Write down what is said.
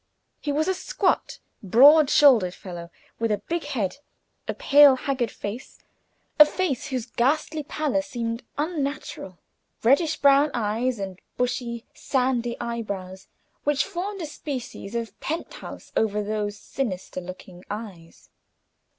He was a squat, broad shouldered fellow, with a big head, a pale, haggard face a face whose ghastly pallor seemed almost unnatural reddish brown eyes, and bushy, sandy eyebrows, which formed a species of penthouse over those sinister looking eyes.